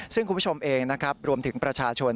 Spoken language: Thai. ซึ่งคุณผู้ชมเองนะครับรวมถึงประชาชน